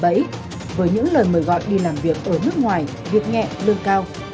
bấy với những lời mời gọi đi làm việc ở nước ngoài việc nhẹ lương cao